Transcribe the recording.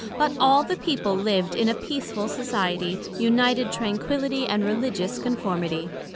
but all the people lived in a peaceful society, united Tranquility, and Religious Conformity.